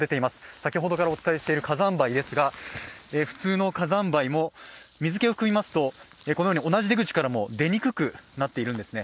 先ほどからお伝えしている火山灰ですが、普通の火山灰も水気を含みますと、同じ出口からでも出にくくなるんですね。